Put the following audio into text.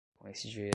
coincidirem